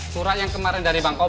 surat yang kemarin dari bang cobra